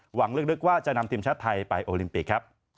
หวังลึกว่าจะนำทีมชาติไทยไปโอลิมปิกครับ